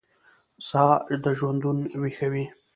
ساه دژوندون ویښوي